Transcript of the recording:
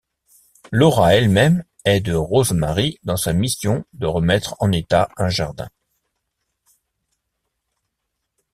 Laura elle-même aide Rosemary dans sa mission de remettre en état un jardin.